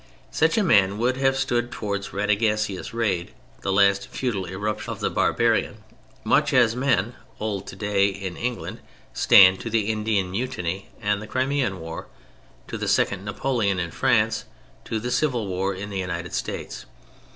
Such a man would have stood towards Radagasius' raid, the last futile irruption of the barbarian, much as men, old today, in England, stand to the Indian Mutiny and the Crimean War, to the second Napoleon in France, to the Civil War in the United States.